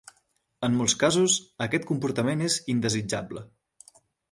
En molts casos, aquest comportament és indesitjable.